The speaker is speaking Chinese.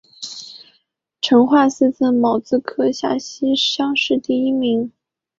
成化四年戊子科陕西乡试第一名。